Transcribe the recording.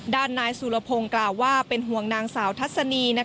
ด้านนายสุรพงศ์กล่าวว่าเป็นห่วงนางสาวทัศนี